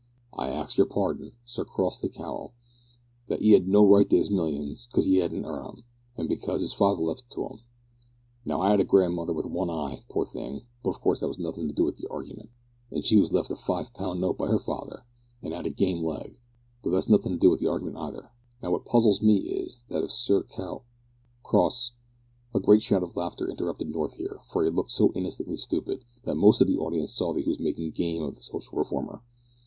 "I ax your pardon; Sir Crossly Cowel that 'e 'ad no right to 'is millions, 'cause 'e didn't earn 'em, and because 'is father left 'em to 'im. Now, I 'ad a grandmother with one eye, poor thing but of coorse that's nothin' to do wi' the argiment an' she was left a fi' pun note by 'er father as 'ad a game leg though that's nothin' to do wi' the argiment neither. Now, what puzzles me is, that if Sir Cow Cross " A great shout of laughter interrupted North here, for he looked so innocently stupid, that most of the audience saw he was making game of the social reformer.